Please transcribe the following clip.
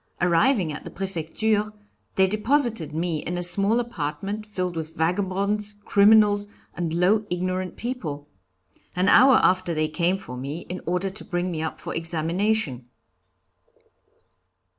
Arriving at the Prefecture, they deposited me in a small apartment filled with vagabonds, criminals, and low, ignorant people. An hour after they came for me in order to bring me up for examination."